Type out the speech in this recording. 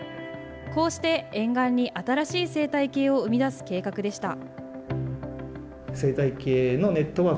こうして沿岸に新しい生態系を生み出す計画でした。